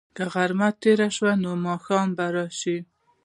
که غرمه تېره شي، نو ماښام به راشي.